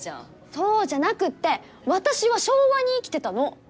そうじゃなくって私は昭和に生きてたの。